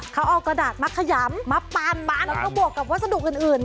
เขาเอากระดาษมะขยำมาปานบานแล้วก็บวกกับวัสดุอื่น